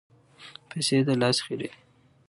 پیسې د لاس خیرې دي.